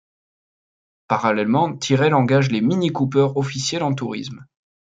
Parallèlement, Tyrrell engage les Mini Cooper officielles en tourisme.